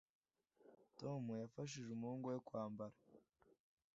tom yafashije umuhungu we kwambara